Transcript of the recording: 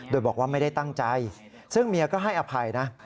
โดยบอกว่าไม่ได้ตั้งใจซึ่งเมียก็ให้อภัยนะ